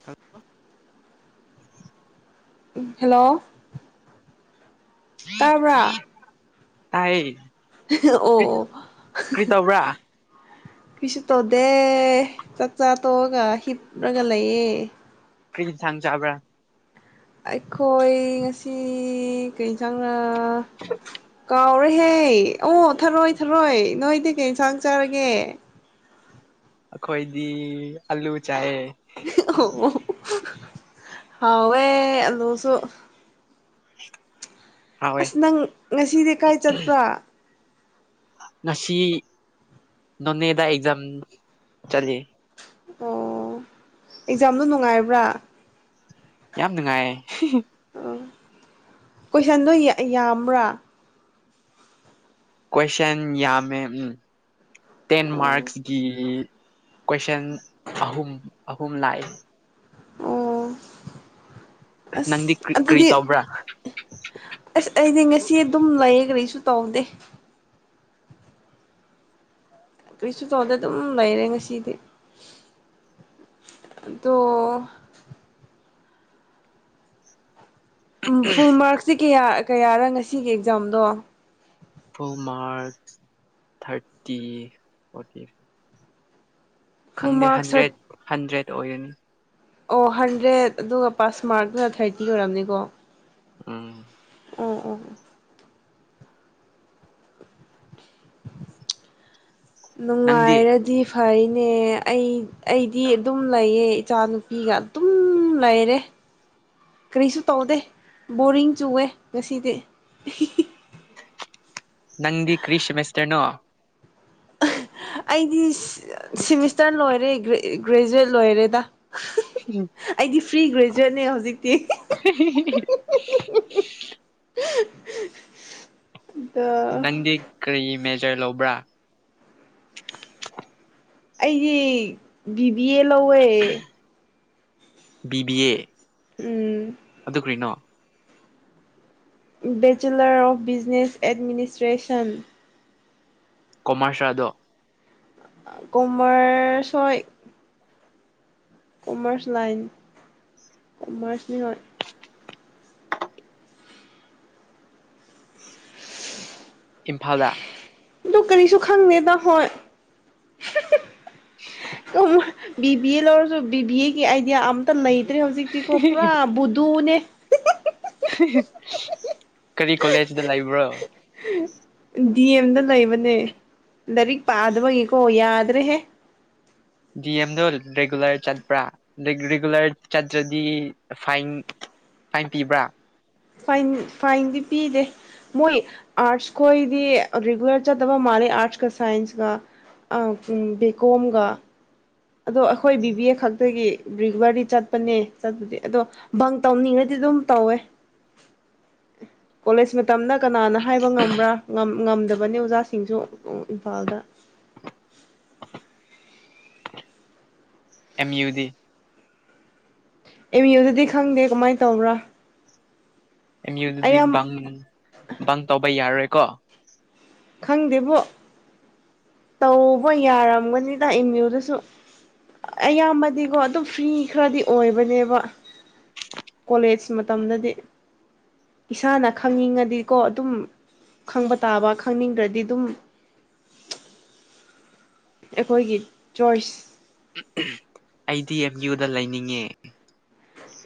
ꯊ ꯍꯂꯣ ꯇꯕ꯭ꯔ ꯇꯌꯦ ꯑꯣ ꯇꯧꯕ꯭ꯔꯥ ꯀꯁꯨ ꯇꯧꯗꯦ ꯆꯥꯛꯆꯥꯥ ꯇꯣꯛꯑꯒ ꯍꯤꯠꯂꯒ ꯂꯩꯌꯦ ꯀꯔꯤ ꯊꯥꯡ ꯆꯥꯕ꯭ꯔꯥ ꯑꯩꯈꯣꯏ ꯉꯁꯤ ꯀꯩ ꯆꯪ ꯑ ꯀꯥꯎꯔ ꯏꯍꯦ ꯑꯣ ꯊꯔꯣꯏ ꯊꯔꯣꯏ ꯅꯣꯏꯗꯤ ꯀꯩ ꯏꯟꯁꯥꯡ ꯆꯥꯔꯒꯦ ꯑꯩꯈꯣꯏꯗꯤ ꯑꯂꯨ ꯆꯌꯦ ꯑꯣ ꯍꯋꯦ ꯂꯣꯁꯨ ꯍꯥꯎꯋꯦ ꯑꯁ ꯅꯪ ꯉꯁꯤꯗꯤ ꯀꯥꯏ ꯆꯠꯄ꯭ꯔꯥ ꯉꯁꯤ ꯅꯣꯅꯦꯗꯥ ꯑꯦꯛꯖꯥꯝ ꯆꯂꯦ ꯑꯣ ꯑꯦꯛꯖꯥꯝꯗꯣ ꯅꯨꯡꯉꯥꯏꯕ꯭ꯔꯥ ꯌꯥꯝ ꯅꯨꯡꯉꯥꯏꯌꯦ ꯑ ꯀꯣꯏꯁꯟꯗꯣ ꯌꯥꯝꯕ꯭ꯔꯥ ꯀꯣꯏꯁꯟ ꯌꯥꯝꯃꯦ ꯎꯝ ꯇꯦꯟ ꯑꯣ ꯃꯥꯔꯛꯁꯀꯤ ꯀꯣꯏꯁꯟ ꯑꯍꯨꯝ ꯑꯍꯨꯝ ꯂꯥꯛꯑꯦ ꯑꯣ ꯑꯁ ꯅꯪꯗꯤ ꯀ꯭ꯔꯤ ꯀ꯭ꯔꯤ ꯑꯗꯨꯗꯤ ꯇꯧꯕ꯭ꯔꯥ ꯑꯁ ꯑꯩꯗꯤ ꯉꯁꯤ ꯑꯗꯨꯝ ꯂꯩꯌꯦ ꯀꯔꯤꯩꯁꯨ ꯇꯧꯗꯦ ꯀ꯭ꯔꯤꯁꯇ ꯇꯣꯗ ꯑꯗꯨꯝ ꯂꯩꯔꯦ ꯉꯁꯤꯗꯤ ꯑꯗꯣ ꯎꯝ ꯐꯨꯜ ꯃꯥꯔꯛꯁꯤ ꯀꯌꯥ ꯀꯌꯥꯔ ꯉꯁꯤꯒꯤ ꯑꯦꯛꯖꯥꯝꯗꯣ ꯐꯣꯔ ꯃꯥꯔꯆ ꯊꯥꯔꯇꯤ ꯐꯣꯔꯇꯤ ꯐꯚ ꯐꯨꯜ ꯈꯪꯗꯦ ꯃꯥꯔꯛ ꯁꯔꯠ ꯍꯟꯗ꯭ꯔꯦꯠ ꯍꯟꯗ꯭ꯔꯦꯠ ꯑꯣꯏꯅꯤ ꯑꯣ ꯍꯟꯗ꯭ꯔꯦꯠ ꯑꯗꯨꯒ ꯄꯥꯁꯃꯥꯔꯛꯅ ꯊꯥꯔꯇꯤ ꯑꯣꯏꯔꯝꯅꯤꯀꯣ ꯎꯝ ꯎ ꯑ ꯅꯪꯗꯤ ꯅꯨꯡꯉꯥꯏꯔꯗꯤ ꯐꯩꯅꯦ ꯑꯩ ꯑꯩꯗꯤ ꯑꯗꯨꯝ ꯂꯩꯌꯦ ꯏꯆꯥꯅꯨꯄꯤꯒ ꯑꯗꯨꯝ ꯂꯩꯔꯦ ꯀꯔꯤꯁꯨ ꯇꯧꯗꯦ ꯕꯣꯔꯤꯡ ꯆꯨꯋꯦ ꯉꯁꯤꯗꯤ ꯅꯪꯗꯤ ꯀ꯭ꯔꯤꯁ ꯃꯦꯁꯇꯔꯅꯣ ꯑꯩꯗꯤ ꯁꯤꯦꯃꯤꯁꯇꯔ ꯂꯣꯏꯔꯦ ꯒ꯭ꯔꯦꯖꯨꯦꯠ ꯂꯣꯏꯔꯦꯗ ꯑꯩꯗꯤ ꯄ꯭ꯔꯤ ꯒ꯭ꯔꯦꯖꯨꯋꯦꯠꯅꯦ ꯍꯧꯖꯤꯛꯇꯤ ꯑꯗꯣ ꯅꯪꯦ ꯀꯔꯤ ꯃꯦ ꯔ ꯂꯧꯕ꯭ꯔꯥ ꯑꯩꯁ ꯕꯤꯕꯤ ꯑꯦ ꯂꯧꯋꯦ ꯕꯤꯕꯤꯑ um bachelor of business administration ꯀꯣꯃꯥꯔꯁꯜꯗꯣ ꯀꯣꯃꯔꯁꯣꯏ ꯀꯃꯔꯁ ꯂꯥꯏꯟ ꯀꯃꯔꯁ ꯃꯤ ꯍꯣꯏ ꯏꯝꯐꯥꯜꯗ ꯑꯣ ꯀꯔꯤꯁꯨ ꯈꯪꯗꯦꯗ ꯍꯣꯏ ꯇꯃ ꯕꯤ ꯕꯤ ꯑꯦ ꯂꯧꯔꯁꯨ ꯕꯤ ꯕꯤ ꯑꯦꯒꯤ ꯑꯥꯏꯗꯤꯌꯥ ꯑꯇ ꯂꯩ ꯅꯠꯇꯦ ꯍꯧꯖꯤꯛꯇꯤꯀ ꯄꯨꯔꯥ ꯕꯨꯗꯅꯦ ꯄ ꯀꯔꯤ ꯀꯣꯂꯦꯖꯗ ꯂꯩꯕ꯭ꯔꯣ ꯗꯤ ꯑꯦꯝꯗ ꯂꯩꯕꯅꯦ ꯂꯥꯏꯔꯤꯛ ꯄꯥꯗꯕꯒꯤꯀꯣ ꯌꯥꯗ꯭ꯔꯦꯍꯦ ꯗꯤ ꯑꯦꯝꯗꯣ ꯔꯤꯒꯨꯂꯔ ꯆꯠꯄ꯭ꯔꯥ ꯔꯤꯒꯨꯂꯔ ꯆꯠꯇ꯭ꯔꯗꯤ ꯐꯥꯏꯟ ꯐꯥꯏꯟ ꯄꯤꯕ꯭ꯔꯥ ꯐꯥꯏꯟꯗꯤ ꯄꯤꯗꯦ ꯃꯣꯏ ꯑꯥꯔꯠꯁ ꯈꯣꯏꯗꯤ ꯔꯤꯒꯨꯂꯔ ꯆꯠꯇꯕ ꯃꯥꯜꯂꯦ ꯑꯥꯔꯠꯁꯀ ꯁꯥꯏꯟꯁꯀ ꯕꯤ ꯀꯣꯝꯒ ꯑꯗꯣ ꯑꯩꯈꯣꯏ ꯕꯤꯕꯤ ꯑꯦ ꯈꯛꯇꯒꯤ ꯔꯤꯒꯨꯂꯔꯗꯤ ꯆꯠꯄꯅꯦ ꯆꯠꯄꯗꯤ ꯑꯗꯣ ꯕꯪ ꯇꯧꯅꯤꯡꯉꯗꯤ ꯑꯗꯨꯝ ꯇꯧꯋꯦ ꯀꯣꯂꯦꯖ ꯃꯇꯝꯅ ꯀꯅꯥꯅ ꯍꯥꯏꯕ ꯉꯝꯕ꯭ꯔꯥ ꯉꯝꯗꯕꯅꯤ ꯑꯣꯖꯥ ꯁꯤꯡꯖꯣ ꯏꯝꯐꯥꯜꯗ ꯑꯦꯝ ꯌꯨ ꯗꯤ ꯑꯦꯝ ꯌꯨꯗꯗꯤ ꯈꯪꯗꯦ ꯀꯃꯥꯏꯅ ꯇꯧꯕ꯭ꯔꯥ ꯑꯦꯝ ꯑꯩ ꯑꯗꯨꯗꯤ ꯌꯥꯝ ꯇꯥꯎꯧꯕꯔ ꯀꯣ ꯈꯪꯗꯦꯕꯨꯣ ꯇꯧꯕ ꯌꯥꯔꯝꯒꯅꯤꯗ ꯏꯃꯨꯗꯨꯁꯨ ꯑꯌꯥꯝꯕꯗꯤꯀꯣ ꯑꯗꯨꯝ ꯐ꯭ꯔꯤ ꯈꯔꯗꯤ ꯑꯣꯏꯕꯅꯦꯕ ꯀꯣꯂꯦꯖ ꯃꯇꯝꯗꯗꯤ ꯏꯁꯥꯅ ꯈꯪꯅꯤꯡꯉꯗꯤꯀꯣ ꯑꯗꯨꯝ ꯈꯪꯕ ꯇꯥꯕ ꯈꯪꯅꯤꯡꯈ꯭ꯔꯗꯤ ꯑꯗꯨꯝ ꯑꯩꯈꯣꯏꯒꯤ ꯖꯣꯏꯁ ꯑꯩꯗꯤ ꯑꯦꯝ ꯌꯨꯗ ꯂꯩꯅꯤꯡꯉꯦ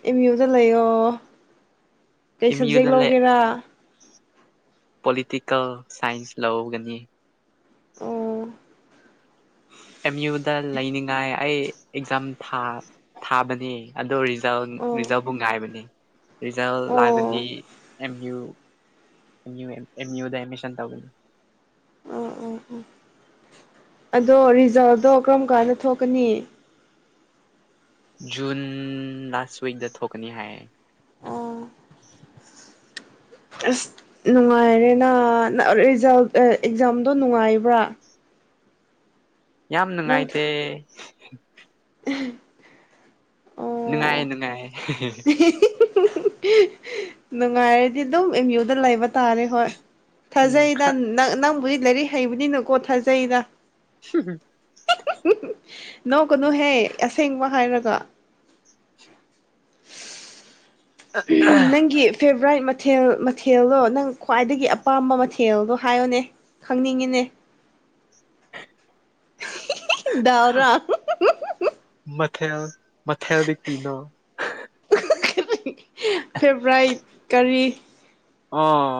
ꯏ ꯌꯌꯨꯝꯗ ꯂꯩꯌꯣ ꯀꯩ ꯑꯦꯝ ꯁꯕꯖꯦꯛ ꯌꯨꯗ ꯂꯧꯒꯦꯔꯥ ꯄꯣꯂꯤꯇꯤꯀꯦꯜ ꯁꯥꯏꯟꯁ ꯂꯧꯒꯅꯤ ꯑꯣ ꯑꯦꯝ ꯌꯨꯗ ꯂꯩꯅꯤꯡꯉꯥꯏ ꯑꯩ ꯑꯦꯛꯖꯥꯝ ꯊꯥꯕꯅꯦ ꯑꯗꯣ ꯑꯣ ꯅꯤꯡꯅꯤꯖꯥꯎ ꯨꯡꯉꯥꯏ ꯃꯅꯤ ꯔꯤꯖꯜ ꯑꯣ ꯑꯣ ꯂꯥꯛꯑꯒꯗꯤ ꯑꯦꯝ ꯌꯨ ꯑꯦꯝꯌꯨꯗ ꯑꯦꯠꯃꯤꯁꯟ ꯇꯧꯒꯅꯤ ꯑꯣ ꯑꯣ ꯑꯗꯣ ꯔꯤꯖꯥꯕꯗꯣ ꯀꯔꯝ ꯀꯥꯟꯗ ꯊꯣꯛꯀꯅꯤ ꯖꯨꯟ ꯂꯥꯁ ꯋꯤꯛꯗ ꯊꯣꯛꯀꯅꯤ ꯍꯥꯏ ꯑꯣ ꯑꯁ ꯅꯨꯡꯉꯥꯏꯔꯦꯅꯥ ꯔꯤꯖꯜ ꯑꯦꯛꯖꯥꯝꯗꯣ ꯅꯨꯡꯉꯥꯏꯕ꯭ꯔꯥ ꯌꯥꯝ ꯅꯪ ꯅꯨꯡꯉꯥꯏꯇꯦ [inaudible] ꯅꯨꯡꯉꯥꯏꯦ ꯑꯣ ꯅꯨꯡꯉꯥꯏꯌꯦꯦ ꯍ ꯅꯅꯨꯡꯉꯥꯏꯗꯤ ꯑꯗꯨꯣ ꯌꯨꯗ ꯂꯥꯏꯕ ꯇꯥꯔꯦ ꯍꯣꯏ ꯊꯥꯖꯩꯗ ꯎꯝ ꯅꯪꯕꯨ ꯂꯥꯏꯔꯤꯛ ꯍꯩꯕꯅꯤꯅꯀꯣ ꯊꯥꯖꯩꯗ ꯍꯝ ꯅꯣ ꯀꯩꯅꯨꯍꯦ ꯑꯁꯦꯡꯕ ꯍꯥꯏꯔꯒ ꯅꯪꯒꯤ ꯐꯦ ꯕ꯭ꯔꯥꯏꯠ ꯃꯊꯦꯜ ꯃꯊꯦꯜꯗꯣ ꯅꯪ ꯈ꯭ꯋꯥꯏꯗꯒꯤ ꯑꯄꯥꯝꯕ ꯃꯊꯦꯜꯗꯣ ꯍꯥꯏꯌꯣꯅꯦ ꯈꯪꯅꯤꯡꯉꯤꯅꯦ ꯗꯎꯔꯥ ꯃꯊꯦꯜ ꯃꯊꯦꯜꯗ ꯀꯤꯅꯣ ꯐꯦꯕ꯭ꯔꯥꯏꯠ ꯀꯔꯤ ꯑꯥ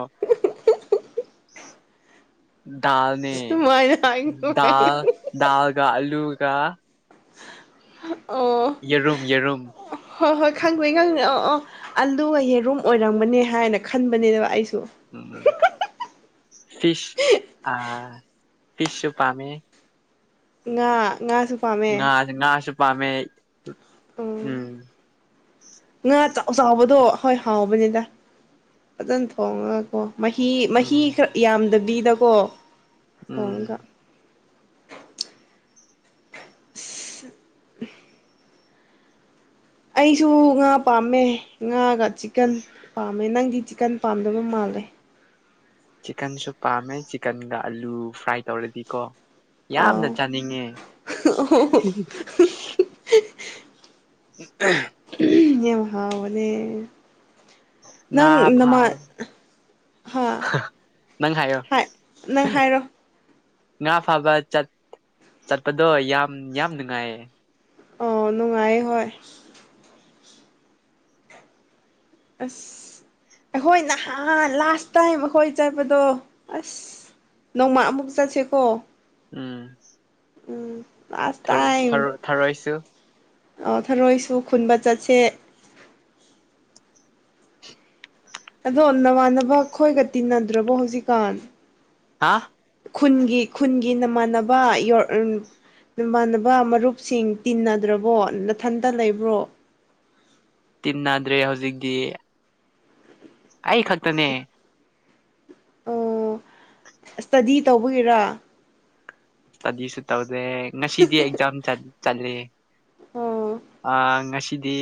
ꯗꯗꯥꯥꯜꯅꯦ ꯁꯨꯃꯥꯏꯅ ꯍꯥꯏ ꯗꯗꯥꯥ ꯗꯗꯥꯜꯒ ꯑꯂꯨ ꯀꯥ ꯑꯣ ꯌꯦꯔꯨꯝ ꯌꯦꯔꯨꯝ ꯍꯣꯏ ꯍꯣꯏ ꯈꯪꯗꯣꯏꯅꯤ ꯈꯪꯗꯣꯏꯦ ꯑ ꯑ ꯑꯂꯒ ꯌꯦꯔꯨꯝ ꯑꯣꯏꯔꯝꯕꯅꯦ ꯍꯥꯏꯅ ꯈꯟꯕꯅꯦꯅꯦꯕ ꯑꯩꯁꯨ ꯎꯝ ꯐꯤꯁ ꯑ ꯐꯤꯁꯁꯨ ꯄꯝꯃꯦ ꯉ ꯉꯁꯨ ꯄꯝꯃꯦ ꯄꯝꯃꯦ ꯎꯝ ꯉꯥ ꯆꯥꯎ ꯆꯥꯎꯕꯗꯣ ꯍꯣꯏ ꯍꯥꯎꯕꯅꯤꯗ ꯐꯖꯅ ꯊꯣꯡꯉꯒꯀꯣ ꯃꯍꯤ ꯃꯍꯤ ꯎꯝ ꯈꯔ ꯌꯥꯝꯗꯕꯤꯗ ꯑꯣꯄꯣ ꯎꯝ ꯍꯒ ꯑ ꯑꯩꯁꯨ ꯉꯥ ꯄꯥꯝꯃꯦ ꯉꯥꯒ ꯆꯤꯛꯀꯟ ꯄꯥꯝꯃꯦ ꯅꯪꯗꯤ ꯆꯤꯛꯀꯟ ꯄꯥꯝꯗꯣꯏꯕ ꯃꯥꯜꯂꯦ ꯆꯤꯛꯀꯟꯁꯨ ꯄꯥꯝꯃꯦ ꯆꯤꯛꯀꯟꯒ ꯑꯥꯂꯨ ꯐ꯭ꯔꯥꯏ ꯇꯧꯔꯗꯤꯀꯣ ꯌꯥꯝꯅ ꯑꯥꯎ ꯆꯥꯅꯤꯡꯉꯦ ꯎ ꯌꯦꯦꯝ ꯍꯥꯎ ꯃꯅꯦꯦ ꯉꯥ ꯅꯪ ꯅꯃꯥ ꯐꯥꯕ ꯍꯥ ꯅꯪ ꯍꯥꯏꯌꯣ ꯅꯪ ꯍꯥꯏꯔꯣ ꯉꯥ ꯐꯥꯕ ꯆꯠꯄꯗꯣ ꯌꯥꯝ ꯌꯥꯝ ꯅꯨꯡꯉꯥꯏꯌꯦ ꯑꯣ ꯅꯨꯡꯉꯥꯏ ꯍꯣꯏ ꯑꯁ ꯑꯩꯈꯣꯏ ꯅꯍꯥꯟ ꯂꯥꯁ ꯇꯥꯏꯝ ꯑꯩꯈꯣꯏ ꯆꯠꯄꯗꯣ ꯑꯁ ꯅꯣꯡꯃ ꯑꯃꯨꯛ ꯆꯠꯁꯤꯦꯀꯣ ꯎꯝ ꯎꯝ ꯂꯥꯁ ꯊ ꯊꯔ ꯊꯔꯣꯏꯁꯤ ꯑꯣ ꯊꯔꯣꯏꯁꯨ ꯈꯨꯟꯕ ꯆꯠꯁꯦ ꯑꯗꯣ ꯅꯃꯥꯟꯅꯕ ꯈꯈꯣꯏꯒ ꯇꯤꯟꯅꯗ꯭ꯔꯕꯣ ꯍꯧꯖꯤꯛꯀꯥꯟ ꯍꯥ ꯈꯨꯟꯒꯤ ꯈꯨꯟꯒꯤ ꯅꯃꯥꯟꯅꯕ ꯅꯃꯥꯟꯅꯕ ꯃꯔꯨꯞꯁꯤꯡ ꯇꯤꯟꯅꯗ꯭ꯔꯕꯣ ꯅꯊꯟꯇ ꯂꯩꯕ꯭ꯔꯣ ꯇꯤꯟꯅꯗ꯭ꯔꯦ ꯍꯧꯖꯤꯛꯇꯤ ꯑꯩ ꯈꯛꯇꯅꯦ ꯑꯣ ꯏꯁꯇꯗꯤ ꯇꯧꯕꯒꯤꯔꯥ ꯇꯗꯤꯁꯨ ꯑ ꯉꯁꯤꯗꯤ ꯑꯦꯛꯖꯥꯝ ꯆꯠꯂꯤ ꯆꯠꯂꯦ ꯑꯣ ꯑꯥ ꯉꯁꯤ ꯁꯤꯗꯤ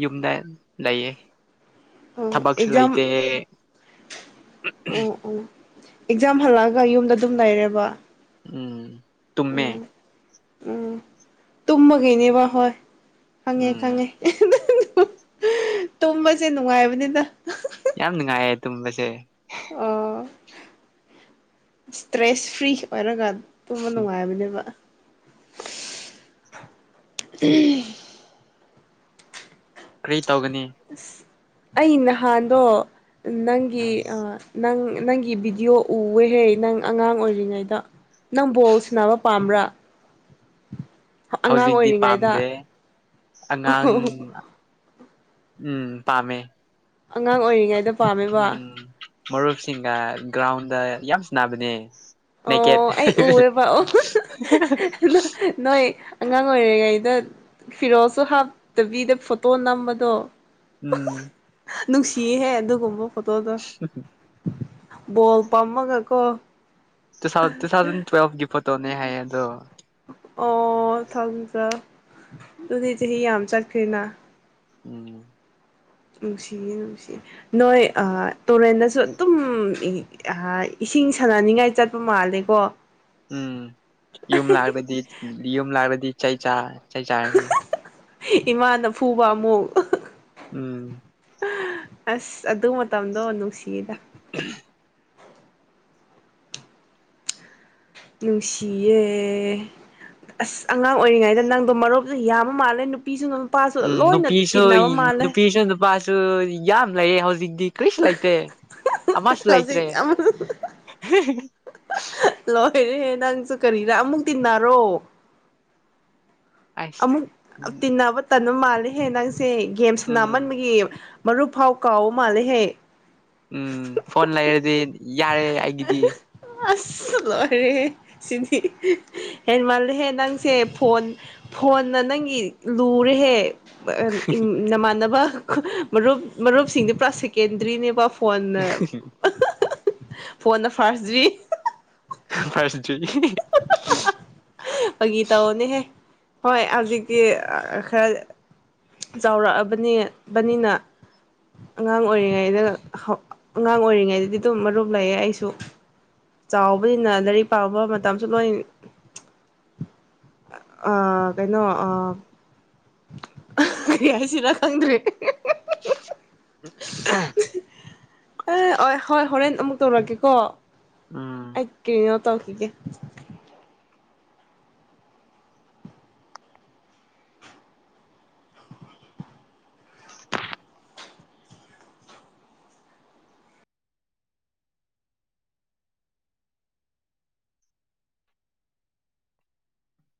ꯌꯨꯝꯗ ꯂꯩꯌꯦ ꯑꯣ ꯊꯕꯛꯁꯨ ꯑꯦꯛꯖꯥꯝ ꯂꯩꯇꯦ ꯑꯣ ꯑꯣ ꯑꯦꯛꯖꯥꯝ ꯍꯜꯂꯛꯑꯒ ꯌꯨꯝꯗ ꯑꯗꯨꯝ ꯂꯩꯔꯦꯕ ꯎꯝ ꯎꯝ ꯇꯨꯝꯃꯦ ꯎꯝ ꯇꯨꯝꯃꯒꯤꯅꯦꯕ ꯍꯣꯏ ꯈꯪꯉꯦ ꯎꯝ ꯈꯪꯉꯦ ꯇꯨꯝꯕꯁꯦ ꯅꯨꯡꯉꯥꯏꯕꯅꯤꯅ ꯌꯥꯝ ꯅꯨꯡꯉꯥꯏ ꯇꯨꯝꯕꯁꯦ ꯑꯣ ꯏꯁꯇ꯭ꯔꯦꯁ ꯐ꯭ꯔꯤ ꯑꯣꯏꯔꯒ ꯇꯨꯝꯕ ꯅꯨꯡꯉꯥꯏꯕꯅꯦꯕ ꯎꯝ ꯀ꯭ꯔꯤ ꯇꯧꯒꯅꯤ ꯑꯩ ꯅꯍꯥꯟꯗꯣ ꯅꯪꯒꯤ ꯎꯝ ꯑ ꯅꯪ ꯅꯪꯒꯤ ꯚꯤꯗꯤꯑꯣ ꯎꯋꯦꯍꯦ ꯅꯪ ꯑꯉꯥꯡ ꯑꯣꯏꯔꯤꯉꯩꯗ ꯅꯪ ꯕꯣꯜ ꯁꯅꯕ ꯄꯥꯝꯕ꯭ꯔꯥ ꯑꯉꯥꯡ ꯍꯧꯖꯤꯛꯇꯤ ꯑꯣꯏꯔꯤꯉꯩꯗ ꯄꯥꯝꯗꯦ ꯑꯉꯥꯡ ꯎꯝ ꯄꯥꯝꯃꯦ ꯑꯉꯥꯡ ꯑꯣꯏꯔꯤꯉꯩꯗ ꯄꯥꯝꯃꯦꯕ ꯎꯝ ꯃꯔꯨꯞꯁꯤꯡꯒ ꯒ꯭ꯔꯥꯎꯟꯗ ꯌꯥꯝ ꯁꯥꯟꯅꯕꯅꯦ ꯅꯦꯀꯦꯠ ꯑꯣ ꯑꯩ ꯎꯑꯦꯕ ꯑꯣ ꯅꯣꯏ ꯑꯉꯥꯡ ꯑꯣꯏꯔꯦꯉꯩꯗ ꯐꯤꯔꯣꯜꯁꯨ ꯍꯥꯞꯇꯕꯤꯗ ꯐꯣꯇꯣ ꯅꯝꯕꯗꯣ ꯎꯝ ꯅꯨꯡꯁꯤꯍꯦ ꯑꯗꯨꯒꯨꯝꯕꯨ ꯐꯣꯇꯣꯗꯣ ꯕꯣꯜ ꯄꯝꯃꯒꯀꯣ ꯇꯨ ꯊꯥꯎ ꯇꯨ ꯊꯥꯎꯖꯟ ꯇꯨꯋꯦꯜꯒꯤ ꯐꯣꯇꯣꯅꯦ ꯍꯥꯏꯌꯦ ꯑꯗꯣ ꯑꯣ ꯊꯗ꯭ꯔ ꯑꯗꯨꯗꯤ ꯆꯍꯤ ꯌꯥꯝ ꯆꯠꯈ꯭ꯔꯦꯅ ꯎꯝ ꯅꯨꯡꯁꯤꯌꯦ ꯅꯨꯡꯁꯤꯌꯦ ꯅꯣꯏ ꯇꯨꯔꯦꯟꯗꯁꯨ ꯑꯗꯨꯝ ꯏꯁꯤꯡ ꯁꯥꯟꯅꯅꯤꯡꯉꯥꯏ ꯆꯠꯄ ꯃꯥꯜꯂꯦꯀꯣ ꯎꯝ ꯌꯨꯝ ꯂꯥꯛꯑꯕꯗꯤ ꯌꯨꯝ ꯂꯥꯛꯑꯗꯤ ꯆꯩ ꯆꯥ ꯆꯩ ꯆꯥꯔꯅꯤ ꯏꯃꯥꯅ ꯐꯨꯕ ꯑꯃꯨꯛ꯫ ꯎꯝ꯫ ꯑꯁ ꯑꯗꯨ ꯃ ꯇꯝꯗꯣ꯫ ꯁꯤꯗ꯫ ꯅꯨꯡꯁꯤꯌꯦ ꯑꯁ ꯑꯉꯥꯡ ꯑꯣꯏꯔꯤꯉꯩꯗ ꯅꯪꯗꯣ ꯃꯔꯨꯞꯇꫭ ꯌꯥꯝꯕ ꯃꯥꯜꯂꯦ ꯅꯨꯄꯤꯁꯨꯗꯨꯝ꯫ ꯎꯝ ꯅꯨꯄꯤꯁꯨ ꯅꯨꯄꯤꯁꯨ ꯅꯨꯄꯥ꯫ ꯗꯨ ꯌꯥꯝ ꯂꯩꯌꯦꯍꯧꯖꯤꯛꯇꯤ꯫ ꯀ꯭ꯔꯤꯁꯨ ꯂꯩꯇꯦ ꯑꯃꯁꯨ ꯂꯩꯇ꯭ꯔꯦ꯫ ꯍꯧꯖꯤꯛ ꯑꯃꯨꯛ ꯍ‌ꯦꯍ‌ꯦ ꯅꯪꯁꯨ ꯀꯔꯤꯔ ꯑꯃꯨꯛ ꯇꯤꯟꯅꯔꯣ꯫ ꯑꯁ ꯑꯃꯨꯛ ꯇꯤꯟꯅꯕ ꯇꯟ꯫ ꯃꯥꯜꯂꯤ ꯍꯦꯅꯪꯁꯤ꯫ ꯒꯦꯝ ꯁꯅꯥ ꯎꯝ ꯃꯟꯕꯒꯤ꯫ ꯃꯔꯨꯞ ꯐꯥꯎ ꯀꯥꯎꯕ ꯃꯥꯜꯂꯦꯍꯦ꯫ ꯎꯝ ꯐꯣꯟ ꯂꯩꯔꯗꯤ ꯌꯥꯔꯦ ꯑꯩꯒꯤꯗꯤ꯫ ꯁꯤꯅꯤ ꯍꯦꯟ ꯃꯥꯜꯂꯦꯍꯦ ꯅꯪꯁꯦ ꯐꯣꯟ꯫ ꯐꯣꯟꯅ ꯅꯪꯒꯤ ꯂꯨꯔꯦꯍꯦ꯫ ꯏꯝ ꯅꯃꯥꯟꯅꯕ꯫ ꯃꯔꯨꯞ ꯃꯔꯨꯞꯁꯤꯡꯗꯤ ꯄꯨꯔꯥ ꯁꯦꯀꯦꯟꯗ꯭ꯔꯤꯅꯦꯕ꯫ ꯐꯣꯟꯅ꯫ ꯐꯣꯟꯗ ꯐꯥꯔꯁꯗꯔꯤ꯫ ꯐꯥꯔꯁꯗꯔꯤ꯫ ꯐꯥꯒꯤ ꯇꯧꯅꯦꯍꯦ ꯍꯣꯏ ꯍꯧꯖꯤꯛꯇꯤ ꯈꯔ ꯆꯥꯎꯔꯛꯑꯕꯅꯦꯕꯅꯤꯅ ꯑꯉꯥꯡ ꯑꯣꯏꯔꯤꯉꯩꯗ ꯑꯉꯥꯡ ꯑꯣꯏꯔꯤꯉꯩꯗꯗꯤ ꯑꯗꯨꯝ ꯃꯔꯨꯝ ꯂꯩꯌꯦ ꯑꯩꯁꯨ꯫ ꯆꯥꯎꯕꯅꯤꯅ ꯂꯥꯏꯔꯤꯛ ꯄꯥꯕ ꯃꯇꯝꯁꯨ ꯂꯣꯏ ꯑ ꯀꯩꯅꯣ ꯑꯥ ꯀ꯭ꯔꯤ ꯍꯥꯏꯁꯤꯔ ꯈꯪꯗ꯭ꯔ‌ꯦ ꯑꯣꯏ ꯍꯣꯏ ꯍꯣꯔꯦꯟ ꯑꯃꯨꯛ ꯇꯧꯔꯛꯀꯦꯀꯣ꯫ ꯎꯝ ꯑꯩꯀꯤꯅꫭ ꯇꯧꯈꯤꯒꯦ꯫